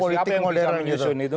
siapa yang bisa menyusun itu